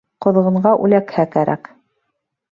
Ҡоҙғонға үләкһә кәрәк.